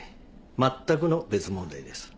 まったくの別問題です。